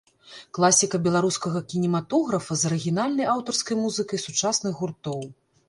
Класіка беларускага кінематографа з арыгінальнай аўтарскай музыкай сучасных гуртоў.